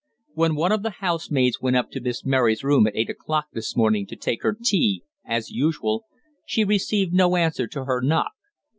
"When one of the housemaids went up to Miss Mary's room at eight o'clock this morning to take her tea, as usual, she received no answer to her knock.